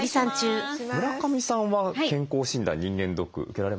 村上さんは健康診断人間ドック受けられますか？